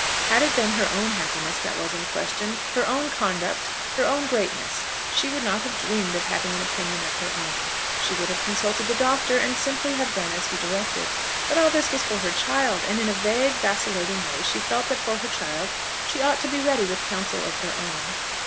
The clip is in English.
Had it been her own happiness that was in question, her own conduct, her own greatness, she would not have dreamed of having an opinion of her own. She would have consulted the Doctor, and simply have done as he directed. But all this was for her child, and in a vague, vacillating way she felt that for her child she ought to be ready with counsel of her own.